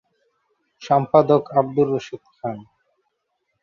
সম্পাদক আবদুর রশীদ খান।